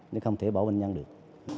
nên không thể bỏ bệnh nhân được